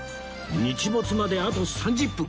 日没まであと３０分